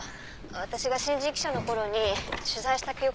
私が新人記者の頃に取材した記憶があるの。